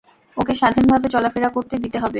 ওকে স্বাধীনভাবে চলাফেরা করতে দিতে হবে।